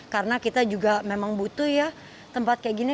karena kita juga memang butuh ya tempat kayak gini